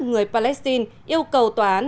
người palestine yêu cầu tòa án